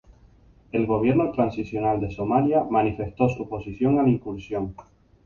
El Gobierno Transicional de Somalia manifestó su oposición a la incursión.